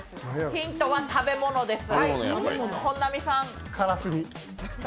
ヒントは食べ物です。